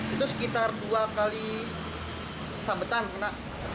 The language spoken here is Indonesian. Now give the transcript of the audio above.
itu sekitar dua kali sabetan kena